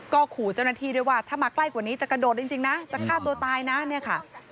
ก็ขู่เจ้าหน้าที่ด้วยว่าถ้ามาใกล้กว่านี้จะกระโดดจริงนะจะฆ่าตัวตายนะเนี่ยค่ะ